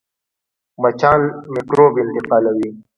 مچان میکروب انتقالوي